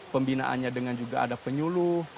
pembinaannya dengan juga ada penyuluh